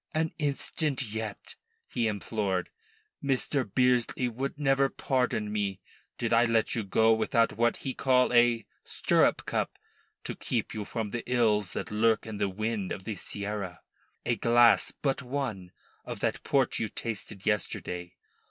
"An instant yet," he implored. "Mr. Bearsley would never pardon me did I let you go without what he call a stirrup cup to keep you from the ills that lurk in the wind of the Serra. A glass but one of that Port you tasted yesterday.